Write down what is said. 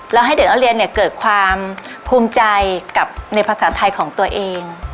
แล้วให้เด็กนักเรียนเกิดความภูมิใจกับในภาษาไทยของตัวเอง